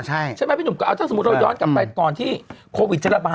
ใช่ไหมพี่หนุ่มก็เอาถ้าสมมุติเราย้อนกลับไปก่อนที่โควิดจะระบาด